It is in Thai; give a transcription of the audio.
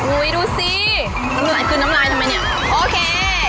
อุ๊ยดูสิน้ำลายขึ้นน้ำลายทำไมเนี่ยโอเค